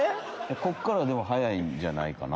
ここから速いんじゃないかな。